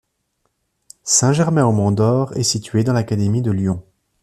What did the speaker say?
Saint-Germain-au-Mont-d'Or est située dans l'académie de Lyon.